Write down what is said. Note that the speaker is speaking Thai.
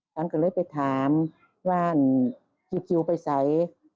ฉันก็เลยไปถามว่าที่คิวไปใส